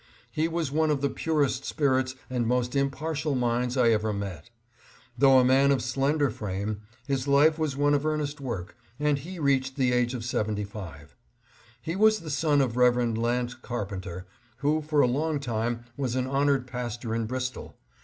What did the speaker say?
He was one of the purest spirits and most impartial minds I ever met. Though a man of slender frame, his life was one of earnest work, and he reached the age of seventy five. He was the son of Rev. Lant Carpenter, who for a long time was an honored pastor in Bristol.